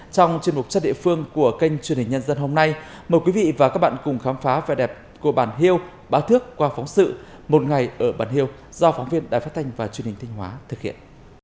trong chuyên mục chất địa phương của kênh truyền hình nhân dân hôm nay mời quý vị và các bạn cùng khám phá vẻ đẹp của bàn hiêu bà thước qua phóng sự một ngày ở bàn hiêu do phóng viên đài phát thanh và truyền hình thanh hóa thực hiện